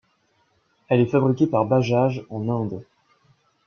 Elle est fabriquée par Bajaj en Inde.